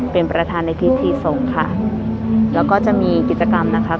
เป็นประธานในพิธีส่งค่ะแล้วก็จะมีกิจกรรมนะคะ